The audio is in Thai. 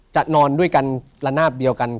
จะนอนด้วยกันระนาบเดียวกัน